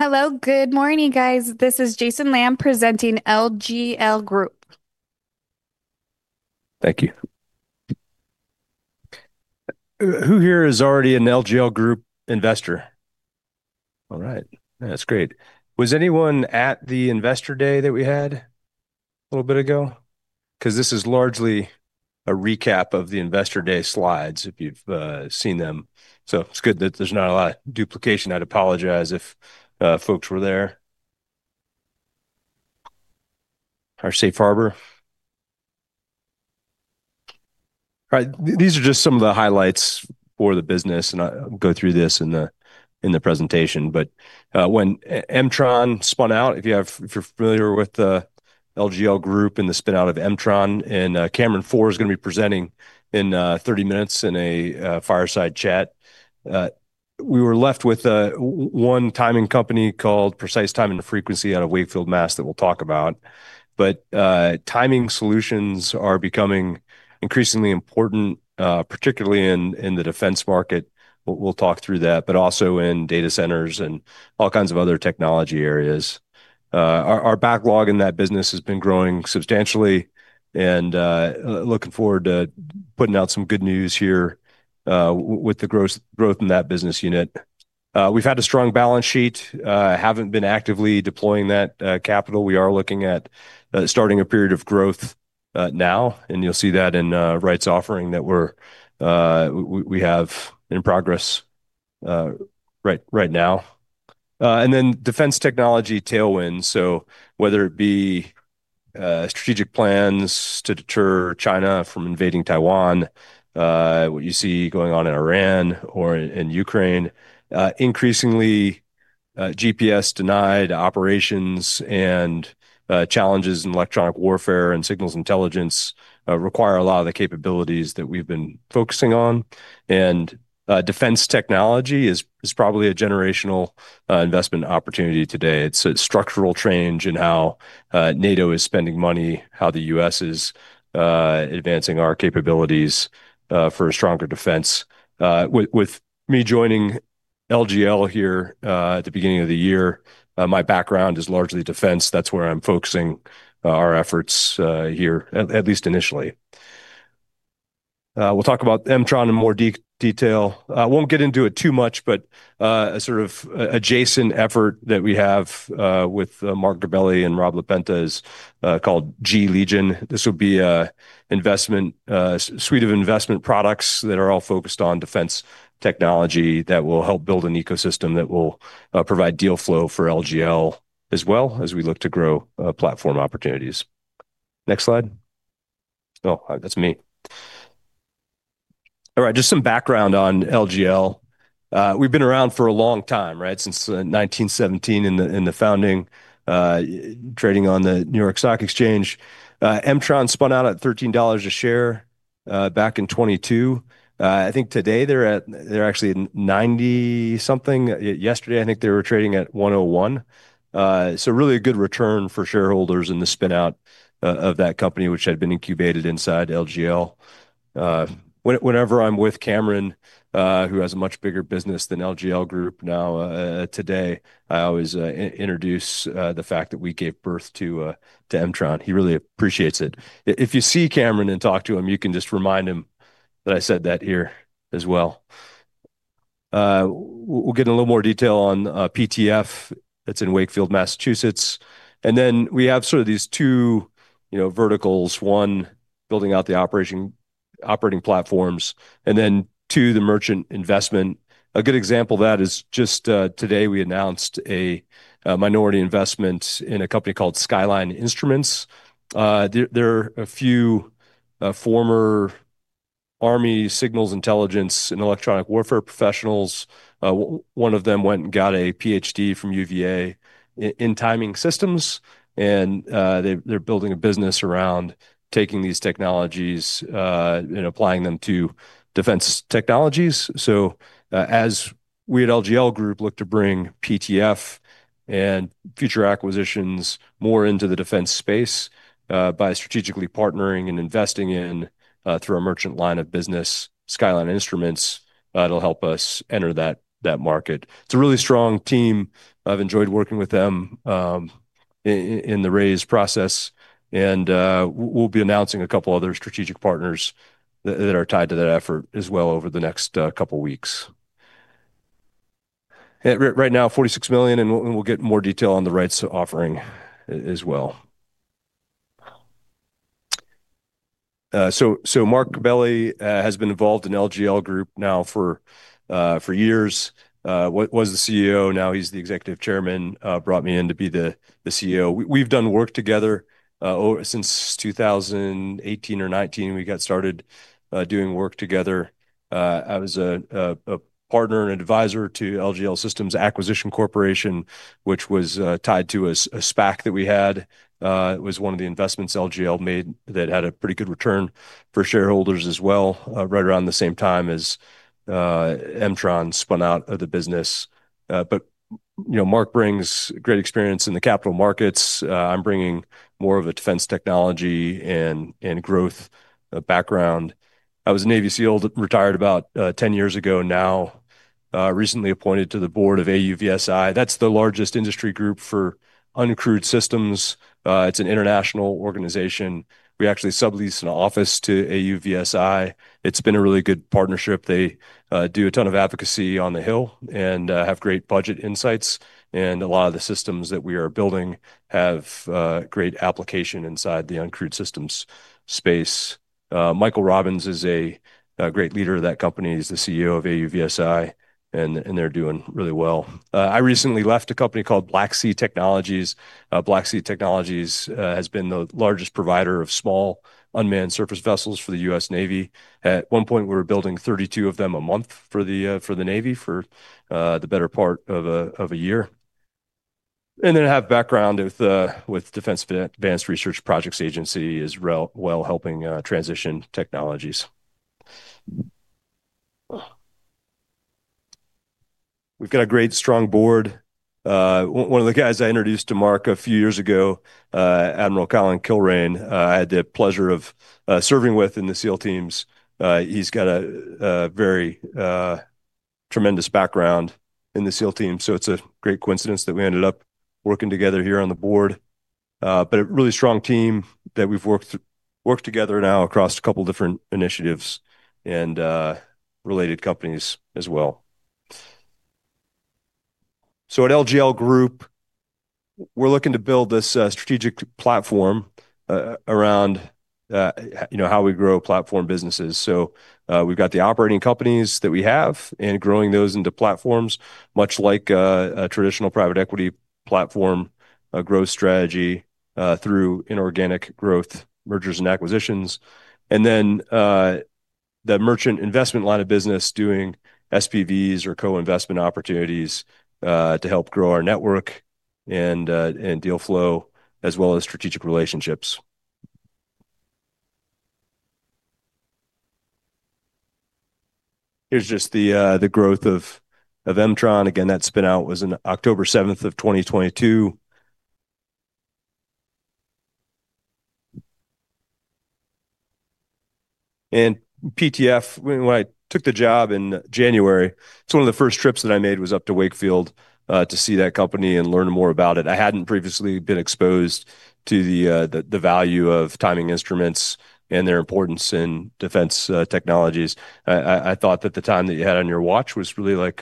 Hello. Good morning, guys. This is Jason Lamb presenting LGL Group. Thank you. Who here is already an LGL Group investor? All right. That's great. Was anyone at the investor day that we had a little bit ago? This is largely a recap of the Investor Day slides, if you've seen them. It's good that there's not a lot of duplication. I'd apologize if folks were there. Our safe harbor. All right. These are just some of the highlights for the business. I'll go through this in the presentation. When M-tron spun out, if you're familiar with the LGL Group and the spin-out of M-tron, Cameron Pforr is going to be presenting in 30 minutes in a fireside chat. We were left with one timing company called Precise Time and Frequency out of Wakefield, Mass., that we'll talk about. Timing solutions are becoming increasingly important, particularly in the defense market. We'll talk through that, also in data centers and all kinds of other technology areas. Our backlog in that business has been growing substantially. Looking forward to putting out some good news here with the growth in that business unit. We've had a strong balance sheet, haven't been actively deploying that capital. We are looking at starting a period of growth now. You'll see that in rights offering that we have in progress right now. Defense technology tailwind. Whether it be strategic plans to deter China from invading Taiwan, what you see going on in Iran or in Ukraine. Increasingly, GPS-denied operations and challenges in electronic warfare and signals intelligence require a lot of the capabilities that we've been focusing on. Defense technology is probably a generational investment opportunity today. It's a structural change in how NATO is spending money, how the U.S. is advancing our capabilities for a stronger defense. With me joining LGL here at the beginning of the year, my background is largely defense. That's where I'm focusing our efforts here, at least initially. We'll talk about M-tron in more detail. I won't get into it too much, a sort of adjacent effort that we have with Marc Gabelli and Rob LaPenta's called G Legion. This would be a suite of investment products that are all focused on defense technology that will help build an ecosystem that will provide deal flow for LGL as well as we look to grow platform opportunities. Next slide. Oh, that's me. All right. Just some background on LGL. We've been around for a long time, right? Since 1917 in the founding, trading on the New York Stock Exchange. M-tron spun out at $13 a share back in 2022. I think today they're actually at 90-something. Yesterday, I think they were trading at 101. Really a good return for shareholders in the spin-out of that company, which had been incubated inside LGL. Whenever I'm with Cameron, who has a much bigger business than LGL Group now, today, I always introduce the fact that we gave birth to M-tron. He really appreciates it. If you see Cameron and talk to him, you can just remind him that I said that here as well. We'll get in a little more detail on PTF. That's in Wakefield, Massachusetts. We have sort of these two verticals. One, building out the operating platforms. Two, the merchant investment. A good example of that is just today, we announced a minority investment in a company called Skyline Instruments. They're a few former Army signals intelligence and electronic warfare professionals. One of them went and got a PhD from UVA in timing systems. They're building a business around taking these technologies and applying them to defense technologies. As we at LGL Group look to bring PTF and future acquisitions more into the defense space by strategically partnering and investing in, through our merchant line of business, Skyline Instruments, it'll help us enter that market. It's a really strong team. I've enjoyed working with them in the raise process. We'll be announcing a couple other strategic partners that are tied to that effort as well over the next couple weeks. Right now, $46 million. We'll get more detail on the rights offering as well. Marc Gabelli has been involved in LGL Group now for years. Was the CEO, now he's the Executive Chairman. Brought me in to be the CEO. We've done work together since 2018 or 2019, we got started doing work together. I was a partner and advisor to LGL Systems Acquisition Corporation, which was tied to a SPAC that we had. It was one of the investments LGL made that had a pretty good return for shareholders as well, right around the same time as M-Tron spun out of the business. Marc brings great experience in the capital markets. I'm bringing more of a defense technology and growth background. I was a Navy SEAL, retired about 10 years ago now. Recently appointed to the board of AUVSI. That's the largest industry group for uncrewed systems. It's an international organization. We actually subleased an office to AUVSI. It's been a really good partnership. They do a ton of advocacy on the Hill and have great budget insights. A lot of the systems that we are building have great application inside the uncrewed systems space. Michael Robbins is a great leader of that company. He's the CEO of AUVSI. They're doing really well. I recently left a company called BlackSea Technologies. BlackSea Technologies has been the largest provider of small unmanned surface vessels for the U.S. Navy. At one point, we were building 32 of them a month for the Navy, for the better part of a year. I have background with Defense Advanced Research Projects Agency, as well, helping transition technologies. We've got a great, strong board. One of the guys I introduced to Marc a few years ago, Admiral Colin Kilrain, I had the pleasure of serving with in the SEAL teams. He's got a very tremendous background in the SEAL team. It's a great coincidence that we ended up working together here on the board. A really strong team that we've worked together now across a couple different initiatives and related companies as well. At LGL Group, we're looking to build this strategic platform around how we grow platform businesses. We've got the operating companies that we have and growing those into platforms, much like a traditional private equity platform, a growth strategy through inorganic growth, mergers and acquisitions. The merchant investment line of business doing SPVs or co-investment opportunities to help grow our network and deal flow, as well as strategic relationships. Here's just the growth of M-Tron. Again, that spin-out was in October 7, 2022. PTF, when I took the job in January, one of the first trips that I made was up to Wakefield to see that company and learn more about it. I hadn't previously been exposed to the value of timing instruments and their importance in defense technologies. I thought that the time that you had on your watch was really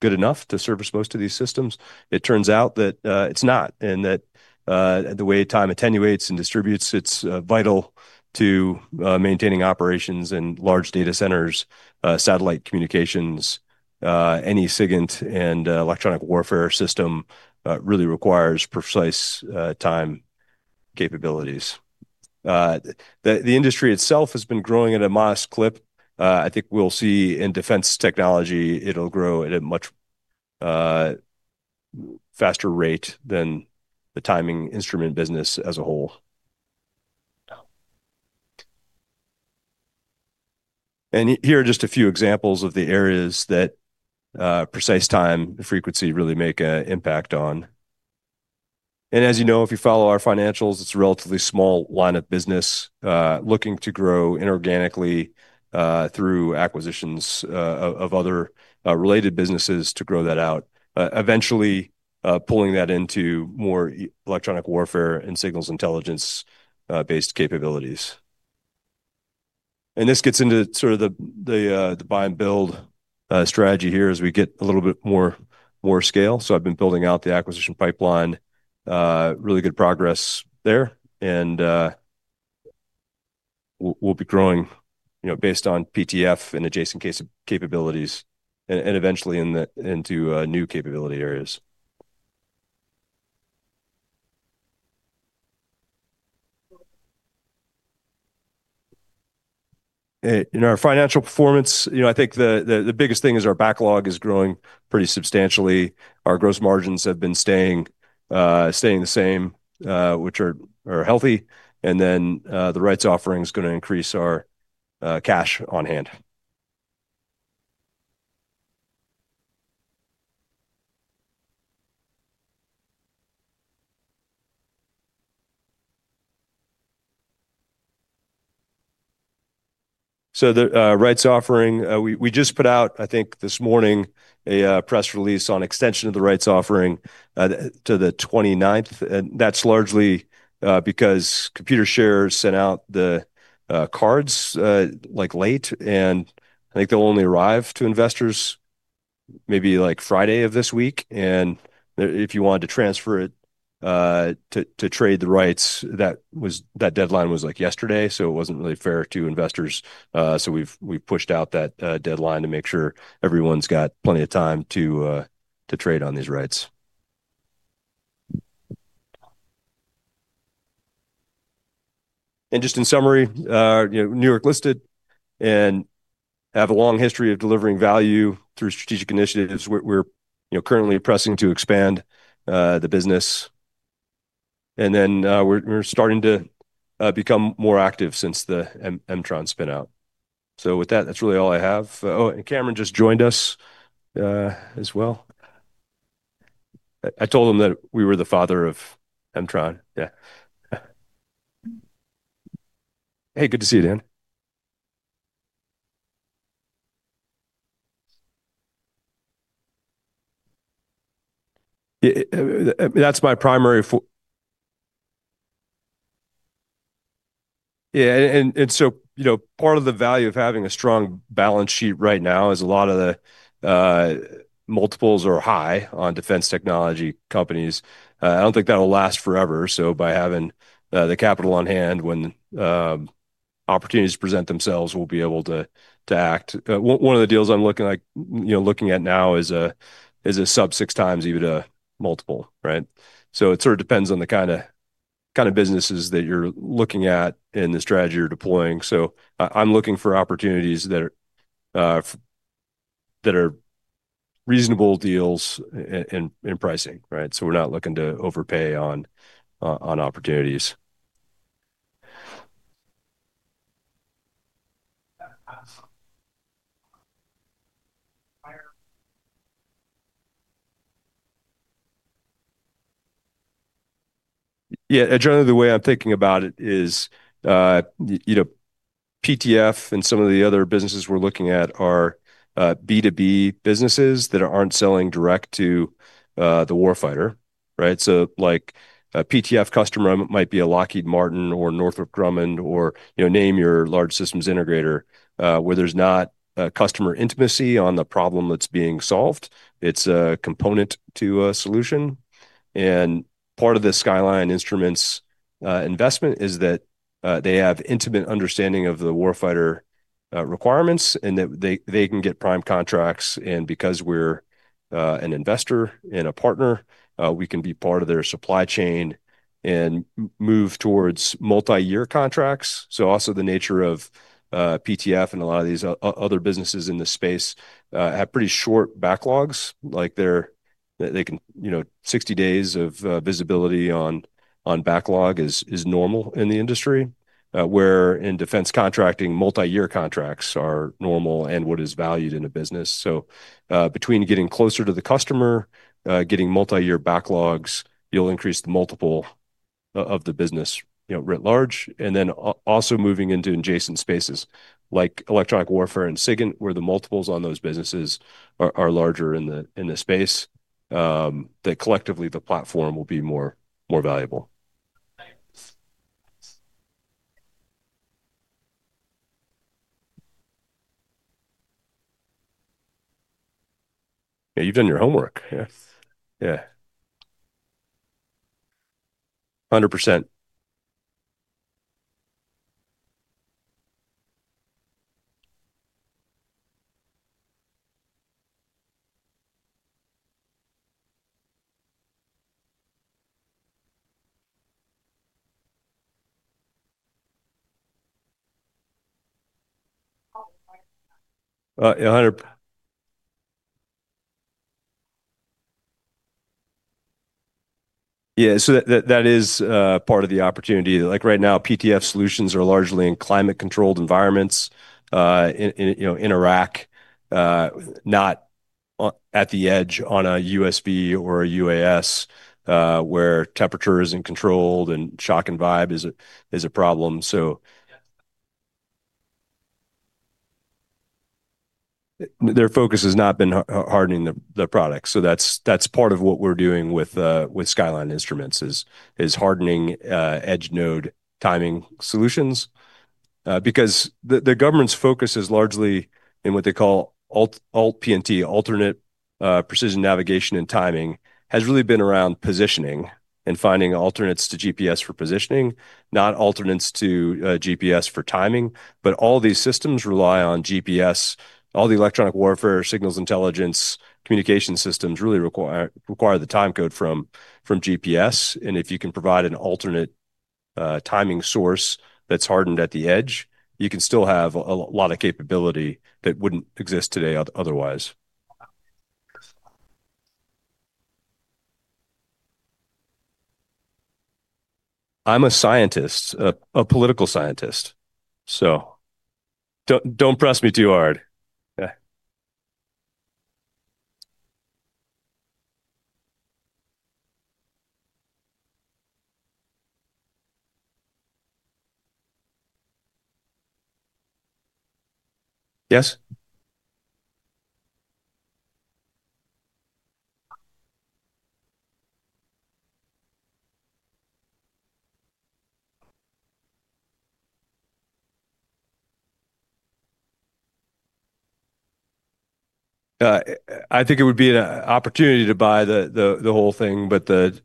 good enough to service most of these systems. It turns out that it's not, and that the way time attenuates and distributes, it's vital to maintaining operations in large data centers, satellite communications. Any SIGINT and electronic warfare system really requires precise time capabilities. The industry itself has been growing at a modest clip. I think we'll see in defense technology, it'll grow at a much faster rate than the timing instrument business as a whole. Here are just a few examples of the areas that precise time and frequency really make an impact on. As you know, if you follow our financials, it's a relatively small line of business looking to grow inorganically through acquisitions of other related businesses to grow that out. Eventually pulling that into more electronic warfare and signals intelligence-based capabilities. This gets into sort of the buy and build strategy here as we get a little bit more scale. I've been building out the acquisition pipeline. Really good progress there. We'll be growing based on PTF and adjacent capabilities and eventually into new capability areas. In our financial performance, I think the biggest thing is our backlog is growing pretty substantially. Our gross margins have been staying the same, which are healthy. The rights offering is going to increase our cash on hand. The rights offering, we just put out, I think this morning, a press release on extension of the rights offering to the 29th, and that's largely because Computershare sent out the cards late, and I think they'll only arrive to investors maybe Friday of this week. If you wanted to transfer it to trade the rights, that deadline was yesterday, so it wasn't really fair to investors. We've pushed out that deadline to make sure everyone's got plenty of time to trade on these rights. Just in summary, New York listed and have a long history of delivering value through strategic initiatives. We're currently pressing to expand the business. We're starting to become more active since the M-tron spinout. With that's really all I have. Cameron just joined us as well. I told him that we were the father of M-tron. Yeah. Hey, good to see you, Dan. That's my primary. Part of the value of having a strong balance sheet right now is a lot of the multiples are high on defense technology companies. I don't think that'll last forever. By having the capital on hand when opportunities present themselves, we'll be able to act. One of the deals I'm looking at now is a sub six times EBITDA multiple. Right? It sort of depends on the kind of businesses that you're looking at and the strategy you're deploying. I'm looking for opportunities that are reasonable deals in pricing. Right? We're not looking to overpay on opportunities. Generally, the way I'm thinking about it is PTF and some of the other businesses we're looking at are B2B businesses that aren't selling direct to the warfighter. Right. A PTF customer might be a Lockheed Martin or a Northrop Grumman or name your large systems integrator. There's not a customer intimacy on the problem that's being solved. It's a component to a solution. Part of the Skyline Instruments investment is that they have intimate understanding of the warfighter requirements, and that they can get prime contracts. Because we're an investor and a partner, we can be part of their supply chain and move towards multi-year contracts. Also, the nature of PTF and a lot of these other businesses in this space have pretty short backlogs. Like 60 days of visibility on backlog is normal in the industry. In defense contracting, multi-year contracts are normal and what is valued in a business. Between getting closer to the customer, getting multi-year backlogs, you'll increase the multiple of the business writ large. Also moving into adjacent spaces like electronic warfare and SIGINT, where the multiples on those businesses are larger in the space. That collectively the platform will be more valuable. You've done your homework. 100%. That is part of the opportunity. Right now, PTF solutions are largely in climate-controlled environments in a rack. Not at the edge on a USV or a UAS, where temperature isn't controlled and shock and vibe is a problem. Their focus has not been hardening the product. That's part of what we're doing with Skyline Instruments is hardening edge node timing solutions. Because the government's focus is largely in what they call AltPNT, Alternate Precision, Navigation, and Timing, has really been around positioning and finding alternates to GPS for positioning, not alternates to GPS for timing. All these systems rely on GPS. All the electronic warfare signals intelligence communication systems really require the time code from GPS. If you can provide an alternate timing source that's hardened at the edge, you can still have a lot of capability that wouldn't exist today otherwise. I'm a scientist, a political scientist, don't press me too hard. Yes? I think it would be an opportunity to buy the whole thing, but the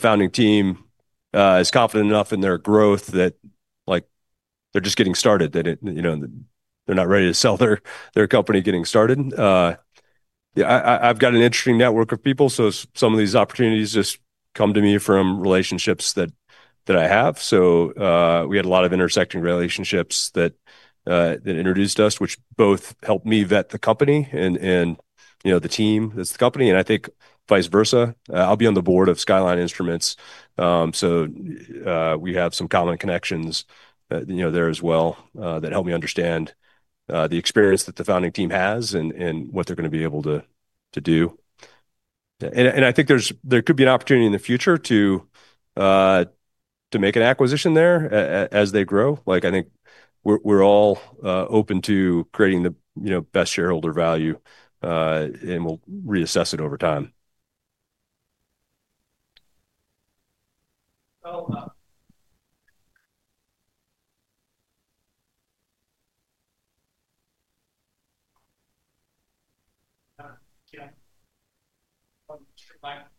founding team is confident enough in their growth that they're just getting started. They're not ready to sell their company getting started. I've got an interesting network of people, some of these opportunities just come to me from relationships that I have. We had a lot of intersecting relationships that introduced us, which both helped me vet the company and the team that's the company, and I think vice versa. I'll be on the board of Skyline Instruments. We have some common connections there as well that help me understand the experience that the founding team has and what they're going to be able to do. I think there could be an opportunity in the future to make an acquisition there as they grow. I think we're all open to creating the best shareholder value, and we'll reassess it over time.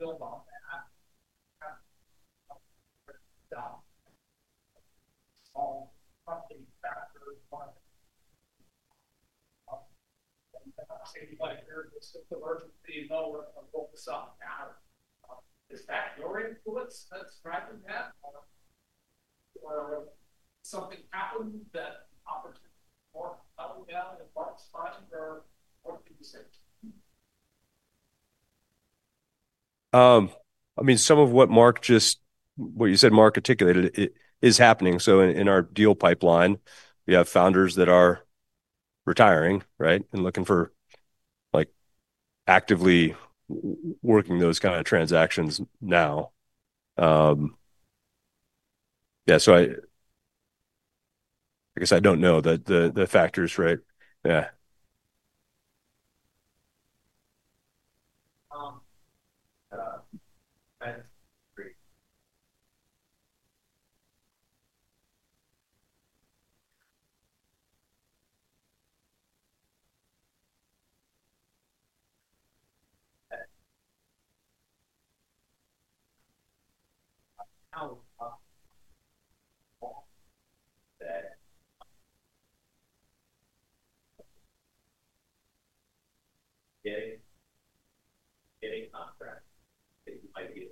Jason, to build on that. All company factors, but anybody here with the emergency mode of focus on matter. Is that your influence that's driving that or something happened that opportunity more coming down in Mark's mind or what would you say? Some of what you said Mark articulated is happening. In our deal pipeline, we have founders that are retiring, right? Looking for actively working those kind of transactions now. I guess I don't know the factors, right? Yeah. Three. Getting contract that you might be able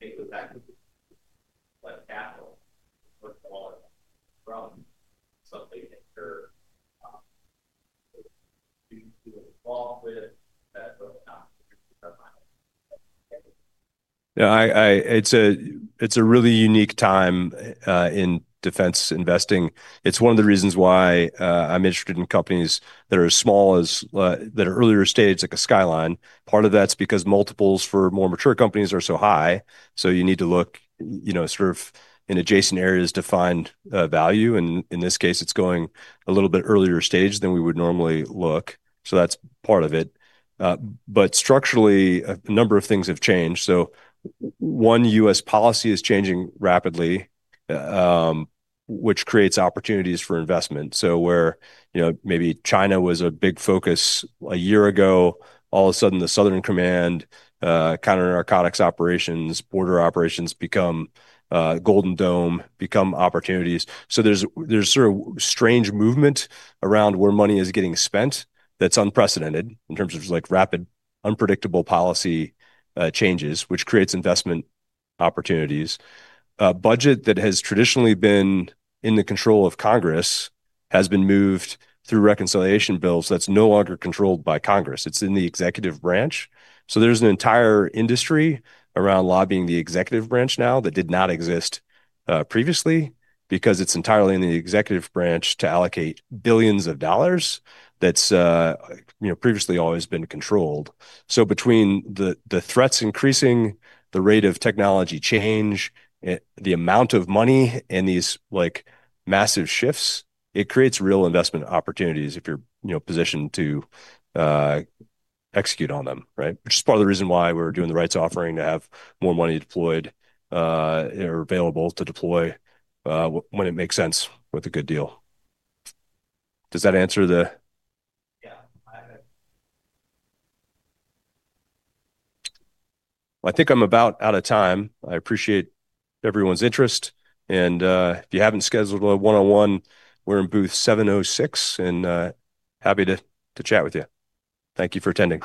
take those activities, but Apple put all of that from something that you're involved with that will come from. Yeah. It's a really unique time in defense investing. It's one of the reasons why I'm interested in companies that are as small as that are earlier stage, like a Skyline. Part of that's because multiples for more mature companies are so high, you need to look sort of in adjacent areas to find value. In this case, it's going a little bit earlier stage than we would normally look. That's part of it. Structurally, a number of things have changed. One, U.S. policy is changing rapidly, which creates opportunities for investment. Where maybe China was a big focus a year ago, all of a sudden, the Southern Command, counter-narcotics operations, border operations become Golden Dome, become opportunities. There's sort of strange movement around where money is getting spent that's unprecedented in terms of rapid, unpredictable policy changes, which creates investment opportunities. A budget that has traditionally been in the control of Congress has been moved through reconciliation bills that's no longer controlled by Congress. It's in the executive branch. There's an entire industry around lobbying the executive branch now that did not exist previously because it's entirely in the executive branch to allocate billions of dollars that's previously always been controlled. Between the threats increasing, the rate of technology change, the amount of money, and these massive shifts, it creates real investment opportunities if you're positioned to execute on them. Right? Which is part of the reason why we're doing the rights offering to have more money deployed or available to deploy when it makes sense with a good deal. Does that answer the? Yeah. I think I'm about out of time. I appreciate everyone's interest, and if you haven't scheduled a one-on-one, we're in booth 706, and happy to chat with you. Thank you for attending.